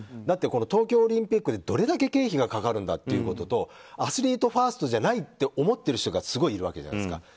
だって冬季オリンピックにどれだけ経費が掛かるんだということとアスリートファーストじゃないと思っている人がすごいいるわけじゃないですか。